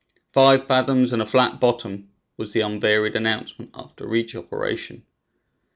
"Five fathoms and a flat bottom," was the unvaried announcement after each operation.